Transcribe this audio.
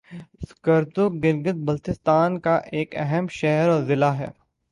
سکردو گلگت بلتستان کا ایک اہم شہر اور ضلع ہے